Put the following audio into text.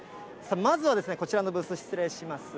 まずはこちらのブース、失礼します。